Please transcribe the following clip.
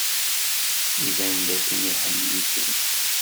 Iban dakken iḥemmel-ikem.